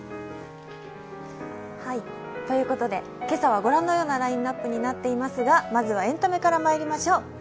今朝は御覧のようなラインナップになっていますがまずはエンタメからまいりましょう。